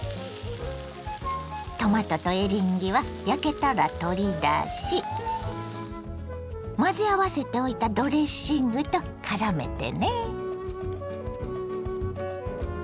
トマトとエリンギは焼けたら取り出し混ぜ合わせておいたドレッシングとからめてね。